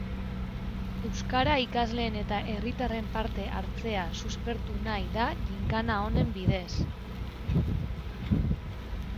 Euskara ikasleen eta herritarren parte hartzea suspertu nahi da ginkana honen bidez.